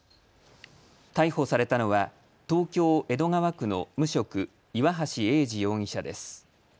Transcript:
逮捕されたのは東京江戸川区の無職、岩橋英治容疑者です。